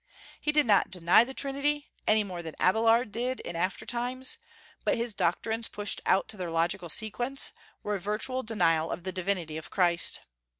He did not deny the Trinity, any more than Abélard did in after times; but his doctrines, pushed out to their logical sequence, were a virtual denial of the divinity of Christ.